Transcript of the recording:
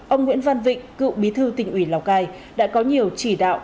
ông nguyễn văn vịnh cựu bí thư tỉnh ủy lào cai đã có nhiều chỉ đạo